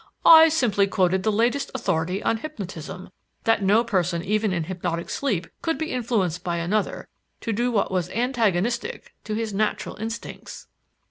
"I simply quoted the latest authority on hypnotism that no person even in hypnotic sleep could be influenced by another to do what was antagonistic to his natural instincts."